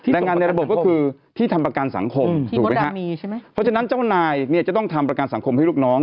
แรงงานในระบบก็คือที่ทำประกันสังคมถูกไหมฮะเพราะฉะนั้นเจ้านายเนี่ยจะต้องทำประกันสังคมให้ลูกน้อง